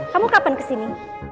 kamu kapan kesini